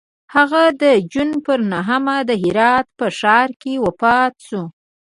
هغه د جون پر نهمه د هرات په ښار کې وفات شو.